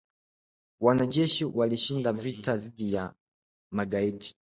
Wanajeshi walishinda vita dhidi ya magaidi